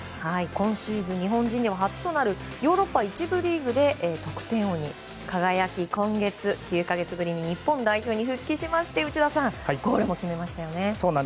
今シーズン日本人で初となるヨーロッパ１部リーグで得点王に輝き今月、９か月ぶりに日本代表に復帰しまして内田さん、ゴールも決めましたよね。